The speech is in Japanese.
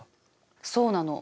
そうなの。